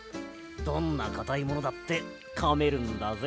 どんなかたいものだってかめるんだぜ。